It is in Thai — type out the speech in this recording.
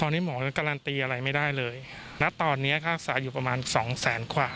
ตอนนี้หมอการันตีอะไรไม่ได้เลยณตอนนี้ค่ารักษาอยู่ประมาณสองแสนกว่า